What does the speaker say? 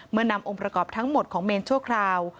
นำองค์ประกอบทั้งหมดของเมนชั่วคราว